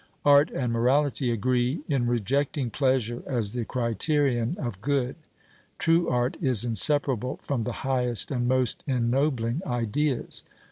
Art and morality agree in rejecting pleasure as the criterion of good. True art is inseparable from the highest and most ennobling ideas.